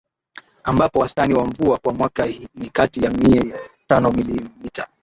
ambapo wastani wa mvua kwa mwaka ni kati ya mia tano Milimita